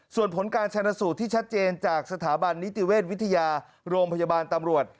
ส่วนผลการชนสูตรที่ชัดเจนจากสถาบันนิติเวชวิทยาโรงพยาบาลตำรวจ